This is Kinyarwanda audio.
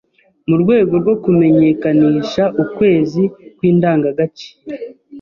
Mu rwego rwo kumenyekanisha ukwezi kw’indangagaciro,